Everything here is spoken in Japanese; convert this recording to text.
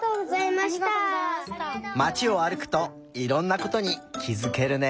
まちをあるくといろんなことにきづけるね。